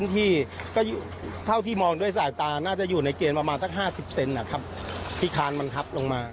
ที่เท่าที่มองด้วยสายตาน่าจะอยู่ในเกนมาเต็ม๕๐เซนนะครับอีกทางบันทับลงมา